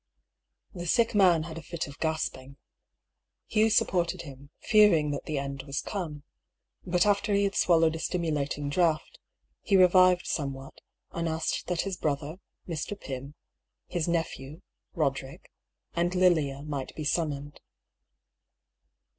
The sick man had a fit of gasping. Hugh support ed him, fearing that the end was come. But after he had swallowed a stimulating draught, he revived some what, and asked that his brother, Mr. Pym, his nephew, Roderick, and Lilia might be summoned.